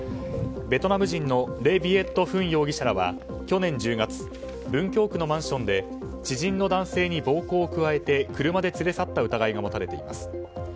ベトナム人のレ・ヴィエット・フン容疑者らは去年１０月文京区のマンションで知人の男性に暴行を加えて車で連れ去った疑いが持たれています。